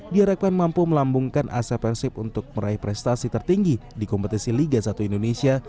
diharapkan mampu melambungkan asa persib untuk meraih prestasi tertinggi di kompetisi liga satu indonesia